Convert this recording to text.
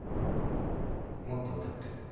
もっと歌って。